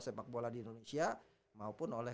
sepak bola di indonesia maupun oleh